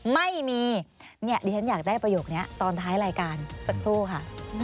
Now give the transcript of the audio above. ไม่มีเนี่ยดิฉันอยากได้ประโยคนี้ตอนท้ายรายการสักครู่ค่ะ